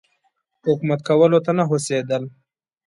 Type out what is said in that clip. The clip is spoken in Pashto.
حکومت کولو ته نه هوسېدل.